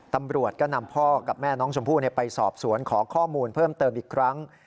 ตำรวจก็นำพ่อกับแม่น้องชมพู่ไปสอบสวนขอข้อมูลเพิ่มเติมอีกครั้ง